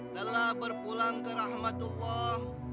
telah berpulang ke rahmatullah